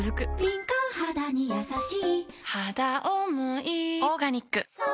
敏感肌にやさしい「はだおもいオーガニック」